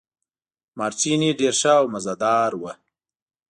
مارټیني ډېر ښه او مزه دار وو.